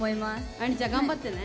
あんりちゃん頑張ってね。